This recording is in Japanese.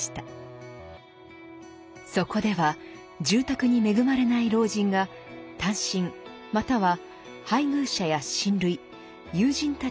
そこでは住宅に恵まれない老人が単身または配偶者や親類友人たちと同居。